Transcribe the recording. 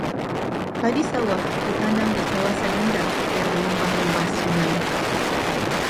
Padi sawah ditanam di kawasan rendah dan di lembah-lembah sungai.